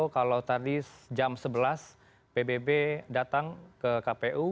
kalau tadi jam sebelas pbb datang ke kpu